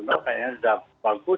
kayaknya sudah bagus